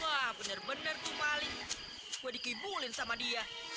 wah bener bener tuh paling gue dikibulin sama dia